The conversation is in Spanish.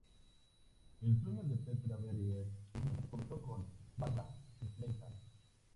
El sueño de Petra Berger de convertirse en cantante comenzó con Barbra Streisand.